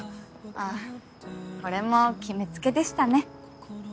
あっこれも決め付けでしたね。